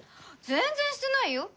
全然してないよ。